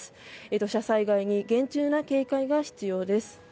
土砂災害に厳重な警戒が必要です。